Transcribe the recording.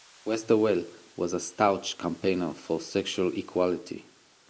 Westerwelle was a staunch campaigner for sexual equality.